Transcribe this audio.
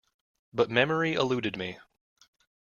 But memory eluded me.